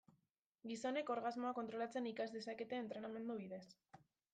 Gizonek orgasmoa kontrolatzen ikas dezakete entrenamendu bidez.